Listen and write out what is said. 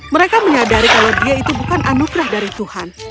mereka menyadari kalau dia itu bukan anugerah dari tuhan